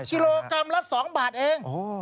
กิโลกรัมละ๒บาทเอง